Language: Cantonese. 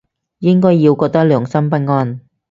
應該要覺得良心不安